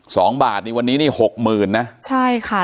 สองบาทนี่วันนี้นี่หกหมื่นนะใช่ค่ะ